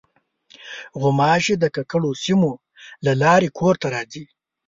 غوماشې د ککړو سیمو له لارې کور ته راځي.